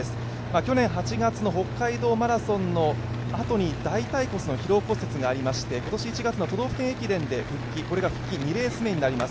去年８月の北海道マラソンのあとに大腿骨の疲労骨折がありまして今年１月の都道府県駅伝で復帰、これが復帰２レース目になります。